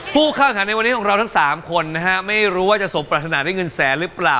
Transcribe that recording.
ผู้เข้าขันในวันนี้ของเราทั้ง๓คนนะฮะไม่รู้ว่าจะสมปรัฐนาด้วยเงินแสนหรือเปล่า